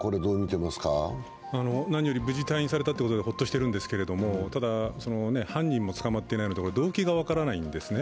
何より無事に退院されたってことでほっとしてるんですがただ犯人も捕まっていないので動機が分からないんですね。